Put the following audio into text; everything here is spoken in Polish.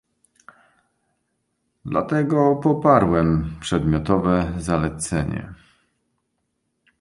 Dlatego poparłem przedmiotowe zalecenie